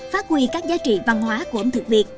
phát huy các giá trị văn hóa của ẩm thực việt